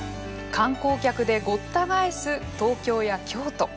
観光客でごった返す東京や京都。